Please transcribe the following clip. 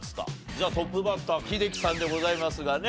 じゃあトップバッター英樹さんでございますがね。